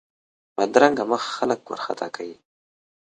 بدرنګه مخ خلک وارخطا کوي